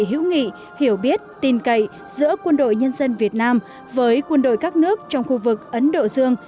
hữu nghị hiểu biết tin cậy giữa quân đội nhân dân việt nam với quân đội các nước trong khu vực ấn độ dương